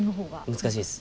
難しいです。